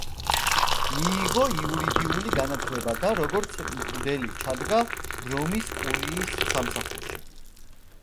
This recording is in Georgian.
მიიღო იურიდიული განათლება და როგორც მღვდელი ჩადგა რომის კურიის სამსახურში.